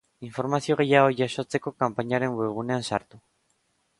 Informazio gehiago jasotzeko kanpainaren webgunean sartu.